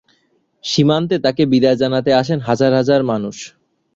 সীমান্তে তাকে বিদায় জানাতে আসেন হাজার হাজার মানুষ।